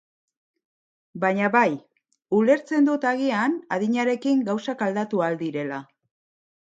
Baina bai, ulertzen dut agian adinarekin gauzak aldatu ahal direla.